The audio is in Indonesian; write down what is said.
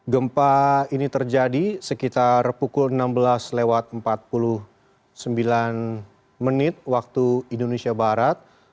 gempa ini terjadi sekitar pukul enam belas lewat empat puluh sembilan menit waktu indonesia barat